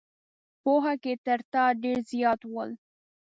پوهه کې تر تا ډېر زیات ول.